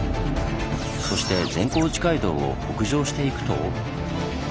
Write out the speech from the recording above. そして善光寺街道を北上していくと。